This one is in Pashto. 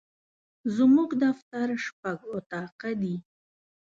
زموږ دفتر شپږ اطاقه دي.